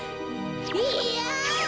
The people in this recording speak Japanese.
いや！